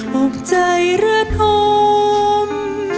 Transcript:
หกใจรักอม